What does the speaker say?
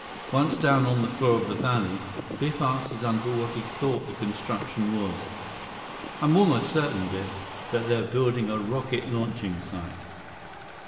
Once down on the floor of the valley, Biff asked his uncle what he thought the construction was. "I'm almost certain, Biff, that they're building a rocket launching site."